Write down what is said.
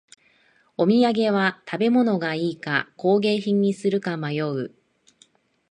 お土産は食べ物がいいか工芸品にするか迷う